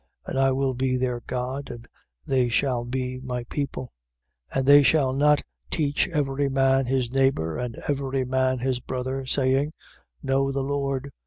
And I will be their God: and they shall be my people. 8:11. And they shall not teach every man his neighbour and every man his brother, saying: Know the Lord.